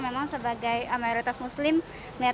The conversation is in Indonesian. memang sebagai mayoritas muslim